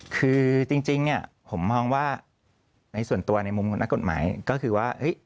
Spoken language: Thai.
คือจริงเนี่ยผมมองว่าในส่วนตัวในมุมของนักกฎหมายก็คือว่า